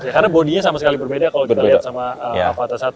karena body nya sama sekali berbeda kalau kita lihat sama avata satu